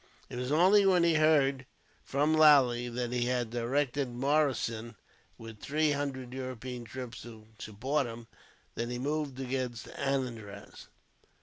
It was only when he heard, from Lally, that he had directed Moracin, with three hundred European troops, to support him, that he moved against Anandraz.